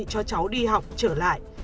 tôi đã chuẩn bị cho cháu đi học trở lại